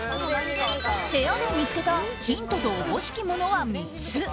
部屋で見つけたヒントと思しきものは３つ。